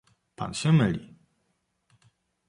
"„Pan się myli."